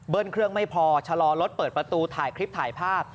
เครื่องไม่พอชะลอรถเปิดประตูถ่ายคลิปถ่ายภาพ